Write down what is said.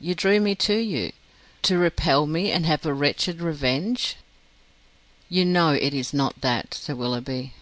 You drew me to you, to repel me, and have a wretched revenge." "You know it is not that, Sir Willoughby."